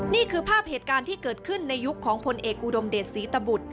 นี่คือภาพเหตุการณ์ที่เกิดขึ้นในยุคของพลเอกอุดมเดชศรีตบุตร